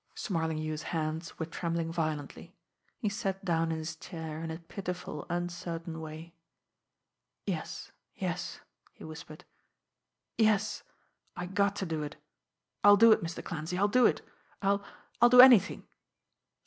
Smarlinghue's hands were trembling violently; he sat down in his chair in a pitiful, uncertain way. "Yes, yes!" he whispered. "Yes! I got to do it. I'll do it, Mr. Clancy, I'll do it! I'll I'll do anything!"